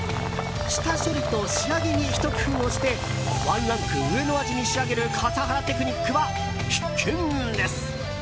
下処理と仕上げにひと工夫をしてワンランク上の味に仕上げる笠原テクニックは必見です。